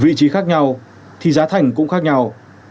vị trí khác nhau thì giá thành cũng khác nhau